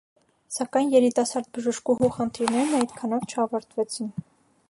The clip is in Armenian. Սակայն երիտասարդ բժիշկուհու խնդիրներն այդքանով չավարտվեցին։